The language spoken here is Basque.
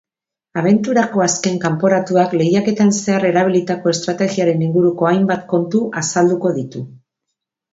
Abenturako azken kanporatuak lehiaketan zehar erabilitako estrategiaren inguruko hainbat kontu azalduko ditu.